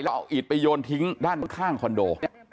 เอาอิดไปโยนทิ้งด้านข้างคอนโด